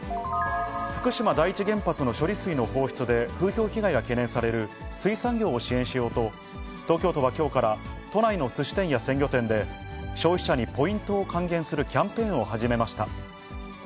福島第一原発の処理水の放出で、風評被害が懸念される水産業を支援しようと、東京都はきょうから、都内のすし店や鮮魚店で、消費者にポイントを還元するキャンペーンを始めました。